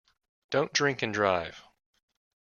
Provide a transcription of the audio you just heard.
Don’t drink and drive.